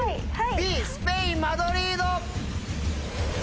Ｂスペインマドリード。